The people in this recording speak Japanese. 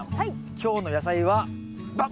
今日の野菜はバッ！